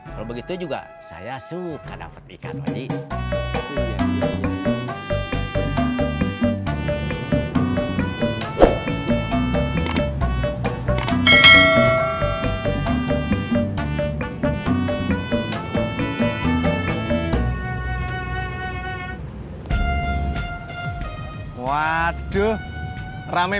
kalau begitu juga saya suka dapat ikan pak haji